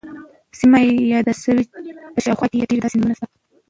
او سیمه یاده شوې، په شاوخوا کې یې ډیر داسې نومونه شته،